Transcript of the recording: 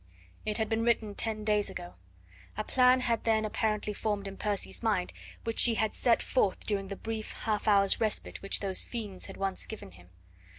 It had been written ten days ago. A plan had then apparently formed in Percy's mind which he had set forth during the brief half hour's respite which those fiends had once given him.